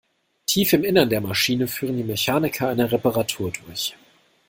Tief im Innern der Maschine führen die Mechaniker eine Reparatur durch.